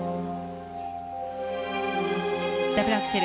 ダブルアクセル。